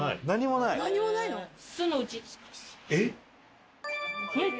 何もないの？